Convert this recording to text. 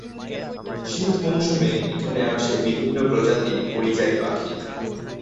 শীত মৌসুমে এখানে আসে বিভিন্ন প্রজাতির পরিযায়ী পাখি।